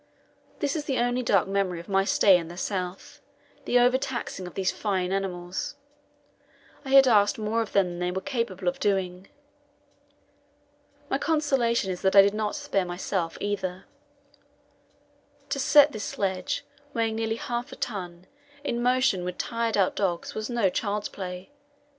This is the only dark memory of my stay in the South the over taxing of these fine animals I had asked more of them than they were capable of doing. My consolation is that I did not spare myself either. To set this sledge, weighing nearly half a ton, in motion with tired out dogs was no child's play.